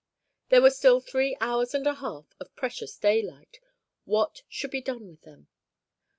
There were still three hours and a half of precious daylight. What should be done with them?